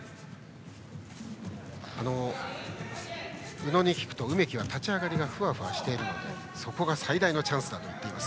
宇野に聞くと梅木は立ち上がりがふわふわしているのでそこが最大のチャンスだと言っています。